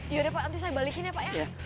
yaudah pak nanti saya balikin ya pak ya